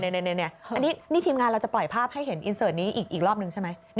อันนี้นี่ทีมงานเราจะปล่อยภาพให้เห็นอินเสิร์ตนี้อีกรอบนึงใช่ไหม